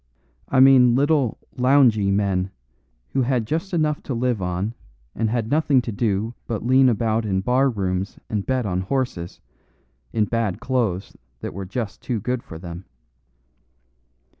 I mean little, loungy men, who had just enough to live on and had nothing to do but lean about in bar rooms and bet on horses, in bad clothes that were just too good for them.